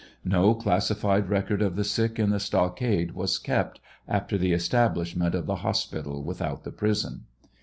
No classified record of the sick in the stockade was kept after the establishment of the hos pital without the prison.